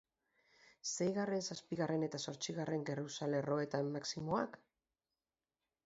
Seigarren, zazpigarren eta zortzigarren geruza-lerroetan, maximoak?